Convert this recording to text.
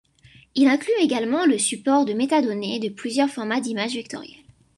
Il inclut également le support des métadonnées de plusieurs formats d'images vectorielles.